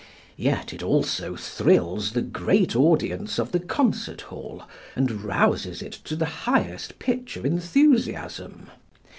Yet it also thrills the great audience of the concert hall and rouses it to the highest pitch of enthusiasm.